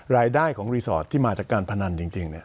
รายได้ของรีสอร์ทที่มาจากการพนันจริงจริงเนี่ย